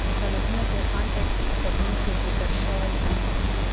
تالابونه د افغان تاریخ په کتابونو کې ذکر شوی دي.